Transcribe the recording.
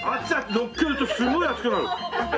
乗っけるとすごい熱くなる！